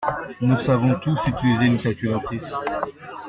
Nous savons tous utiliser une calculatrice.